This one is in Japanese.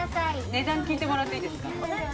値段聞いてもらっていいですか？